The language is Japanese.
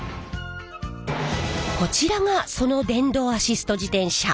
こちらがその電動アシスト自転車。